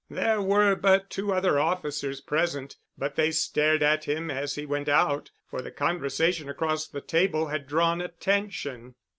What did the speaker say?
There were but two other officers present, but they stared at him as he went out, for the conversation across the table had drawn attention.